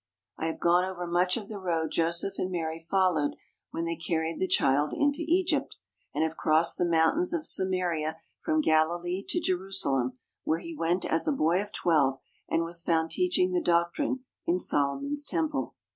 I have gone over much of the road Joseph and Mary followed when they car ried the child into Egypt, and have crossed the moun tains of Samaria from Galilee to Jerusalem, where He went as a boy of twelve and was found teaching the doc trine in Solomon's Temple.